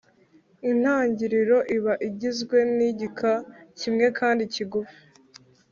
Intangiriro iba igizwe n’igika kimwe kandi kigufi.